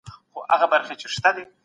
کرګدن 🦏